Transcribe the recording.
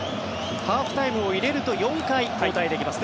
ハーフタイムを入れると４回交代できます。